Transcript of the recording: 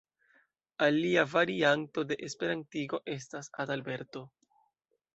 Alia varianto de esperantigo estas "Adalberto".